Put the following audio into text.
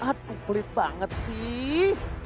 aduh pelit banget sih